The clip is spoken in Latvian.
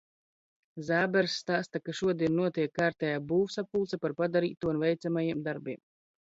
Zābers stāsta, ka šodien notiek kārtējā būvsapulce par padarīto un veicamajiem darbiem.